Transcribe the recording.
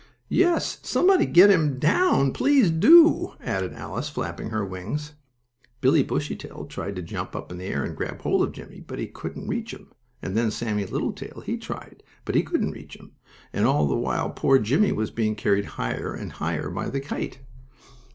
"Yes, somebody get him down; please do!" added Alice, flapping her wings. Billie Bushytail tried to jump up in the air, and grab hold of poor Jimmie, but he couldn't reach him, and then Sammie Littletail, he tried, but he couldn't reach him, and all the while poor Jimmie was being carried higher and higher by the kite.